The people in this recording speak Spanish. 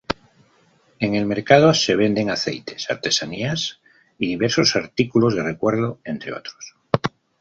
En el mercado se venden aceites, artesanías y diversos artículos de recuerdo, entre otros.